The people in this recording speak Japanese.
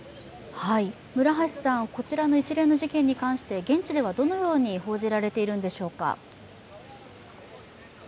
こちらの一連の事件に関して現地ではどのように報じられているんでしょうか？